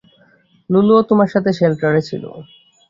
লুলুও তোমাদের সাথে শেল্টারে ছিল।